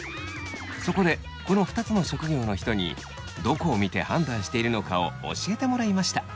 そこでこの２つの職業の人にどこを見て判断しているのかを教えてもらいました。